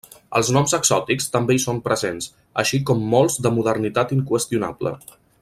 Els noms exòtics també hi són presents, així com molts de modernitat inqüestionable.